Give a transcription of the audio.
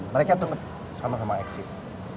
mereka tetap sama sama eksis